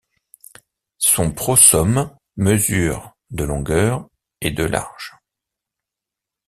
Son prosome mesure de longueur et de large.